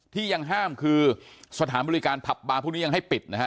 ที่ยังห้ามคือสถานบริการผับบาร์พวกนี้ยังให้ปิดนะฮะ